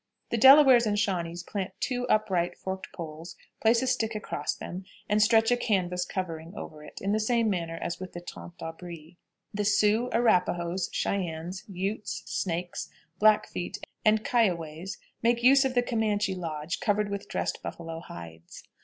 The Delawares and Shawnees plant two upright forked poles, place a stick across them, and stretch a canvas covering over it, in the same manner as with the "tente d'abri." The Sioux, Arapahoes, Cheyennes, Utés, Snakes, Blackfeet, and Kioways make use of the Comanche lodge, covered with dressed buffalo hides.